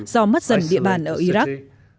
do mất dần địa bàn ở iraq